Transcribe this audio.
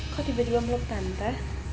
kok tiba tiba peluk tante